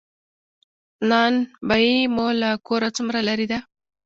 نان بایی مو له کوره څومره لری ده؟